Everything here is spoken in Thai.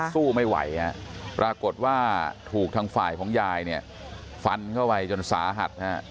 สู้ไม่ไหวฮะปรากฏว่าถูกทางฝ่ายของยายเนี่ยฟันเข้าไปจนสาหัส